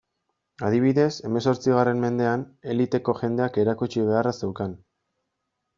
Adibidez, hemezortzigarren mendean, eliteko jendeak erakutsi beharra zeukan.